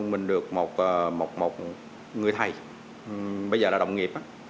mình được một người thầy bây giờ là đồng nghiệp